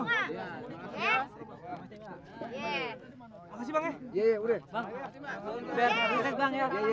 makasih bang ya